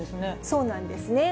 そうなんですね。